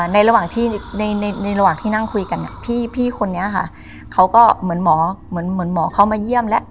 ในระหว่างที่นั่งคุยกันพี่คนนี้ค่ะเขาก็เหมือนหมอเข้ามาเยี่ยมแล้ว